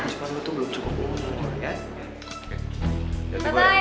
cuman lo tuh belum cukup umur ya